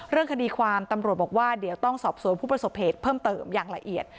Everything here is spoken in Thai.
เรื่องคดีความตำรวจบอกว่าเดี๋ยวต้องสอบสวนผู้ประสบเหตุเพิ่มเติมอย่างละเอียด